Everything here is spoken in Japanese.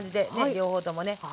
両方ともね少し。